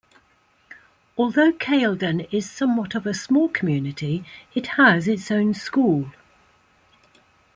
Although Kaleden is somewhat of a small community, it has its own school.